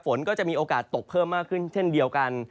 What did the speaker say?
ฝนก็จะมีโอกาสตกเพิ่มมากขึ้นเช่นเดียวกัน